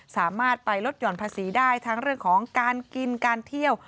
สามารถไปลดหย่อนภาษีได้ทั้งเรื่องของการกินการเที่ยว